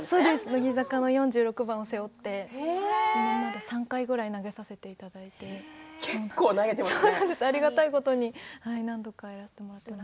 乃木坂の４６を背負って３回ぐらい投げさせていただいてありがたいことに何度かやらせてもらっています。